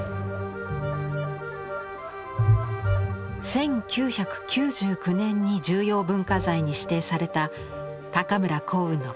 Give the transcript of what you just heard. １９９９年に重要文化財に指定された高村光雲の傑作「老猿」。